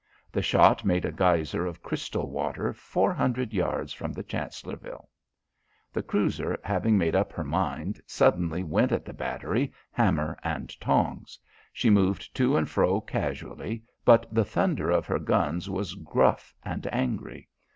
The shot made a geyser of crystal water, four hundred yards from the Chancellorville. The cruiser, having made up her mind, suddenly went at the battery, hammer and tongs. She moved to and fro casually, but the thunder of her guns was gruff and angry.